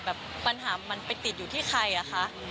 ปัญหามันไปติดอยู่ที่ใครอะคะ